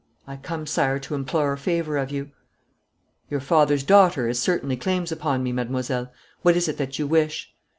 'I come, Sire, to implore a favour of you.' 'Your father's daughter has certainly claims upon me, mademoiselle. What is it that you wish?'